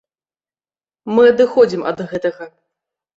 Мы адыходзім ад гэтага.